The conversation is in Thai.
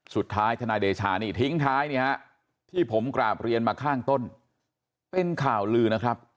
ทนายเดชานี่ทิ้งท้ายที่ผมกราบเรียนมาข้างต้นเป็นข่าวลือนะครับ